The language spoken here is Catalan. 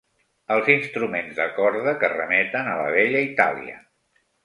Els instruments de corda que remeten a la vella Itàlia.